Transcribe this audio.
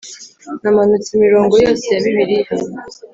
namanutse imirongo yose ya bibiliya